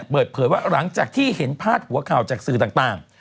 เปิดเพลินว่าหลังจากที่เห็นภาษาหัวข่าวจักรศือต่าง